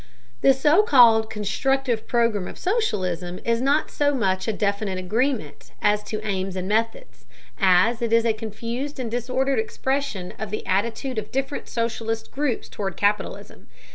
The so called constructive program of socialism is not so much a definite agreement as to aims and methods, as it is a confused and disordered expression of the attitude of different socialist groups toward capitalism.